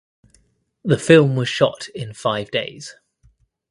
The film was shot in five days.